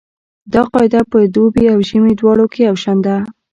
دا قاعده په دوبي او ژمي دواړو کې یو شان ده